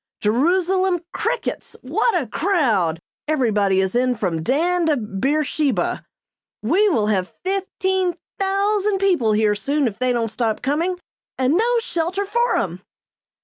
Jerusalem crickets! What a crowd! Everybody is in from Dan to Beersheba! We will have fifteen thousand people here soon if they don't stop coming, and no shelter for 'em!"